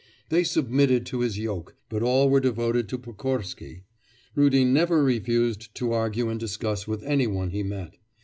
They submitted to his yoke, but all were devoted to Pokorsky. Rudin never refused to argue and discuss with any one he met.